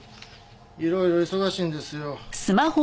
いろいろ忙しいんですよ。